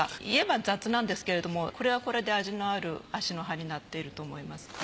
言えば雑なんですけれどもこれはこれで味のある葦の葉になっていると思います。